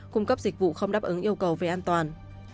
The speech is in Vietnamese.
cung cấp dịch vụ không đáp ứng yêu cầu về an toàn